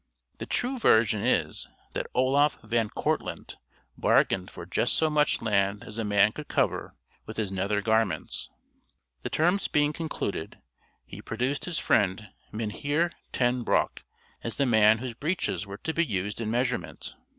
The true version is, that Oloffe Van Kortlandt bargained for just so much land as a man could cover with his nether garments. The terms being concluded, he produced his friend Mynheer Ten Broeck, as the man whose breeches were to be used in measurement.